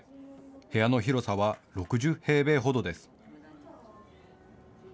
部屋の広さは６０平米ほどです。